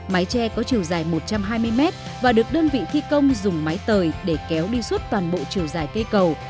mái tre có chiều dài một trăm hai mươi mét và được đơn vị thi công dùng mái tời để kéo đi suốt toàn bộ chiều dài cây cầu